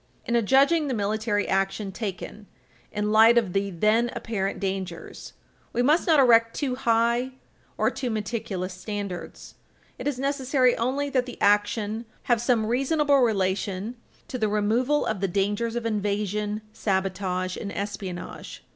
In adjudging the military action taken in light of the then apparent dangers, we must not erect too high or too meticulous standards; it is necessary only that the action have some reasonable relation to the removal of the dangers of invasion, sabotage and espionage.